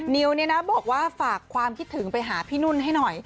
นิวเนี่ยนะบอกว่าฝากความคิดถึงไปหาพี่นุ่นให้หน่อย